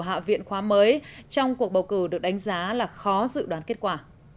hạ viện khóa mới trong cuộc bầu cử được đánh giá là khó dự đoán kết quả